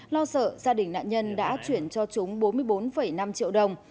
lo sợ gia đình nạn nhân đã chuyển cho chúng bốn mươi bốn năm triệu đồng